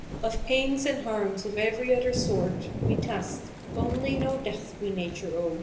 Of paines and harmes of ev'rie other sort We tast, onelie no death we nature ow."